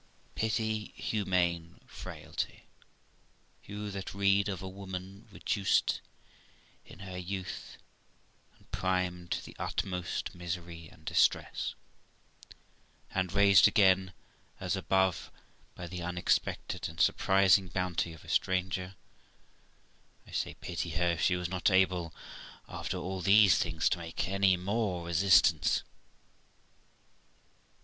Pity human frailty, you that read of a woman reduced in her youth and prime to the utmost misery and distress, and raised again, as above, by the unexpected and surprising bounty of a stranger ; I say, pity her if she was not able, after all these things, to make any more resistance.